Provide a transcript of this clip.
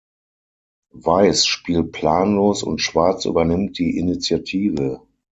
Weiß spielt planlos und Schwarz übernimmt die Initiative.